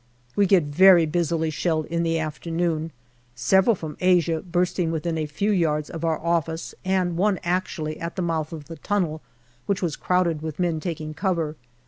We get very heavily shelled in the afternoon, several from Asia bursting within a few yards of our office and one actually at the mouth of the tunnel, which was crowded with men taking cover.